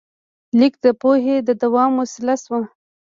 لیک د پوهې د دوام وسیله شوه.